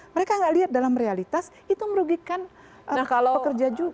mereka tidak melihat dalam realitas itu merugikan pekerjaan